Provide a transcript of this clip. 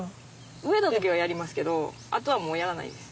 植えた時はやりますけどあとはもうやらないです。